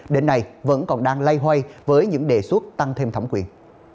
đến nay vẫn còn đang loay hoay với những đề xuất tăng thêm thẩm quyền